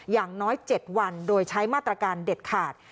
อย่างน้อย๗วันโดยใช้มาตรการเด็ดขาด